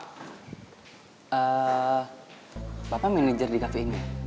bapak manajer di kafe ini